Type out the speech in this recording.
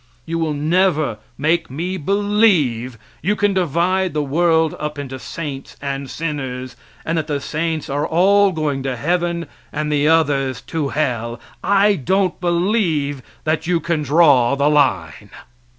You will never make me believe you can divide the world up into saints and sinners, and that the saints are all going to heaven and the others to hell. I don't believe that you can draw the line.